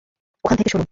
ওখান থেকে সরুন!